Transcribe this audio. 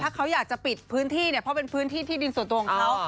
ถ้าเขาอยากจะปิดพื้นที่เนี่ยเพราะเป็นพื้นที่ที่ดินส่วนตัวของเขา